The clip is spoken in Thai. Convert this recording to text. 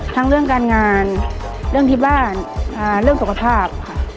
เรื่องการงานเรื่องที่บ้านเรื่องสุขภาพค่ะ